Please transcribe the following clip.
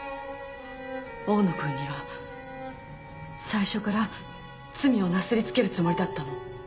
大野君には最初から罪をなすり付けるつもりだったの？